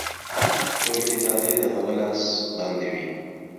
ټولې ادارې د هغه لاس باندې وې